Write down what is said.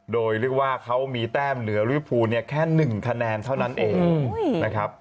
โดยเรียกว่าเขามีแต้มเหนือริวภูเนี่ยแค่๑คะแนนเท่านั้นเองนะครับ